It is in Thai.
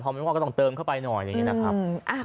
ไม่ว่าก็ต้องเติมเข้าไปหน่อยอะไรอย่างนี้นะครับ